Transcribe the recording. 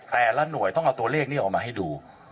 แต่ละหน่วยต้องเอาตัวเลขนี้ออกมาให้ดู